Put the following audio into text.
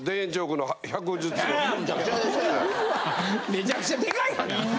めちゃくちゃデカいがな！